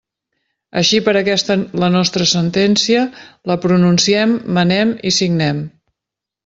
Així per aquesta la nostra sentència, la pronunciem, manem i signem.